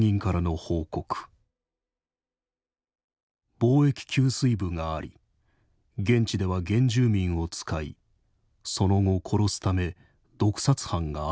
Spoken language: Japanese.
防疫給水部があり現地では原住民を使いその後殺すため毒殺班があったらしい。